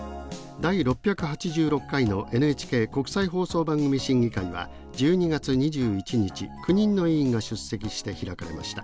第６８６回のＮＨＫ国際放送番組審議会は１２月２１日９人の委員が出席して開かれました。